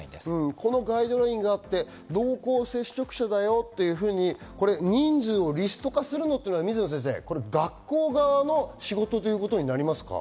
このカイドラインがあって濃厚接触者だよと人数をリスト化するのは学校側の仕事ということになりますか？